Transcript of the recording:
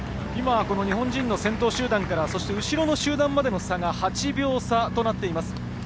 日本人の先頭集団から後ろの集団までの差が８秒差となっています。